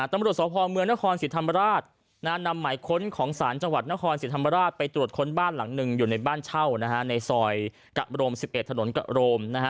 ตำรวจสพเมืองนครศรีธรรมราชนำหมายค้นของศาลจังหวัดนครศรีธรรมราชไปตรวจค้นบ้านหลังหนึ่งอยู่ในบ้านเช่านะฮะในซอยกะโรม๑๑ถนนกะโรมนะฮะ